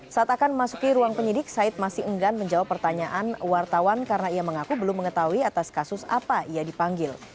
saat akan memasuki ruang penyidik said masih enggan menjawab pertanyaan wartawan karena ia mengaku belum mengetahui atas kasus apa ia dipanggil